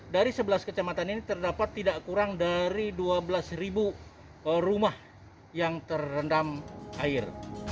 dari sebelas kecamatan ini terdapat tidak kurang dari dua belas rumah yang terendam air